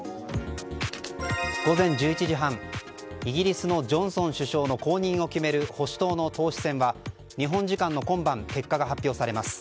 午前１１時半、イギリスのジョンソン首相の後任を決める保守党の党首選は日本時間の今晩結果が発表されます。